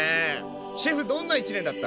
シェフどんな一年だった？